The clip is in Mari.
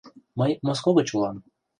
— Мый Моско гыч улам.